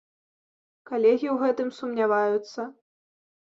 Калегі ў гэтым сумняваюцца.